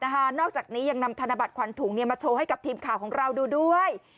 นอกจากนี้ยังนำธนบัตรขวัญถุงมาโชว์ให้กับทีมข่าวของเราดูด้วย